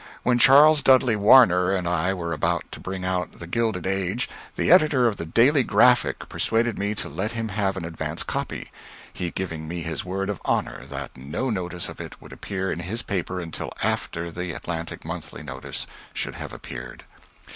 When Charles Dudley Warner and I were about to bring out "The Gilded Age," the editor of the "Daily Graphic" persuaded me to let him have an advance copy, he giving me his word of honor that no notice of it would appear in his paper until after the "Atlantic Monthly" notice should have appeared.